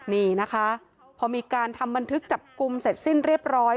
นี่นะคะพอมีการทำบันทึกจับกลุ่มเสร็จสิ้นเรียบร้อย